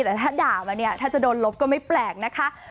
แต่ถ้าด่ามาเนี่ยถ้าจะโดนลบก็ไม่แปลกนะคะ